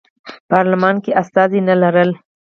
پارلمان کې استازي نه لرل.